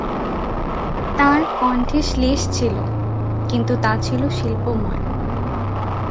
তাঁর কণ্ঠে শ্লেষ ছিল, কিন্তু তা ছিল শিল্পময়।